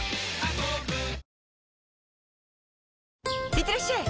いってらっしゃい！